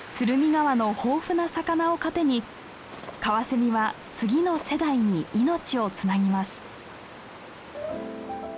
川の豊富な魚を糧にカワセミは次の世代に命をつなぎます。